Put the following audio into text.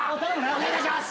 お願いします。